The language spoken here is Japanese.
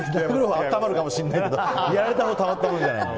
暖まるかもしれないけどやられたほうはたまったもんじゃない。